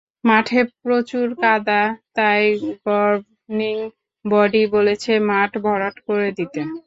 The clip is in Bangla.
মাঠে প্রচুর কাদা, তাই গভর্নিং বডি বলেছে মাঠ ভরাট করে দিতে।